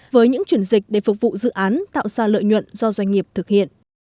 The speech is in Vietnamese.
với những chuyển dịch để phục vụ dự án tạo ra lợi nhuận do doanh nghiệp thực hiện